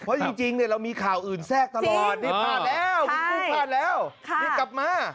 เพราะจริงเรามีข่าวอื่นแทรกตลอดนี่พลาดแล้วคุณครูพลาดแล้วรีบกลับมา